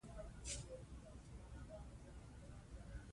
قانون د ادارې د کړنو څارنه اسانه کوي.